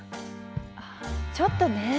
ああちょっとね